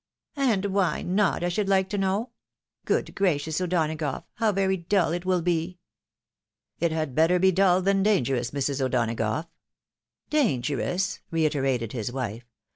" And why not, I should hke to know? Good gracious, O'Donagough ! how very dull it will be !"" It had better be dull than dangerous, Mrs. O'Donagough." "Dangerous!" reiterated his wife.